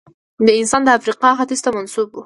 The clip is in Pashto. دا انسان د افریقا ختیځ ته منسوب و.